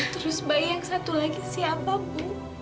terus bayang satu lagi siapa bu